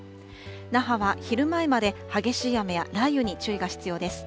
那覇は昼前まで激しい雨や雷雨に注意が必要です。